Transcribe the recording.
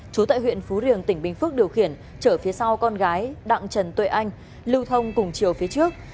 chú tại huyện phú riềng tỉnh bình phước điều khiển chở phía sau con gái đặng trần tuệ anh lưu thông cùng chiều phía trước